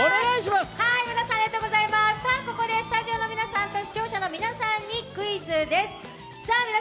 ここでスタジオの皆さんと視聴者の皆さんにクイズです。